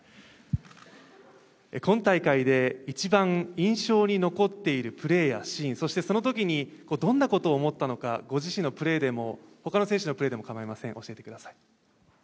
今大会で一番印象に残っているプレーやシーン、そしてそのときにどんなことを思ったのか、ご自身のプレーでも他の選手のプレーでも構いません、教えてください。